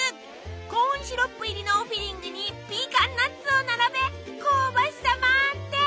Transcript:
コーンシロップ入りのフィリングにピーカンナッツを並べ香ばしさ満点。